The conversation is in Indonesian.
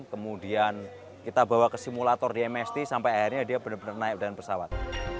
kemudian kita bawa ke simulator di mst sampai akhirnya dia benar benar naik dengan pesawat